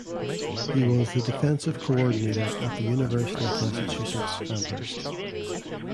He was thedefensive coordinator at the University of Massachusetts Amherst.